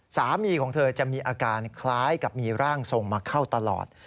สามีของเธอจะมีอาการคล้ายกับมีร่างทรงมาเข้าตลอด